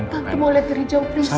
tante mau lihat dari jauh please